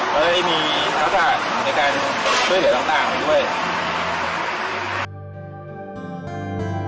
และได้มีสถานการณ์ในการช่วยเหลือต่างด้วย